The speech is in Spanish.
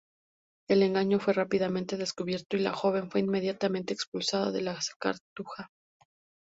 El engaño fue rápidamente descubierto y la joven fue inmediatamente expulsada de la cartuja.